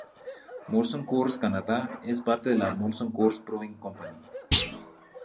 Molson Coors Canada es parte de la Molson Coors Brewing Company.